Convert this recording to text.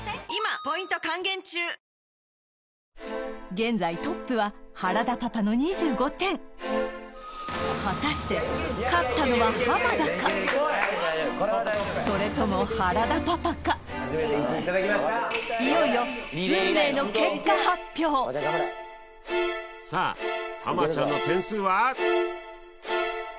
現在トップは原田パパの２５点果たして勝ったのはそれともいよいよ運命の結果発表さあハマちゃんの点数は？